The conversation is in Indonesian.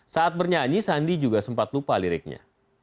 saat bernyanyi sandi juga sempat lupa liriknya